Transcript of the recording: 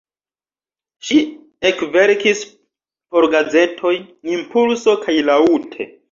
Ŝi ekverkis por gazetoj "Impulso" kaj "Laŭte".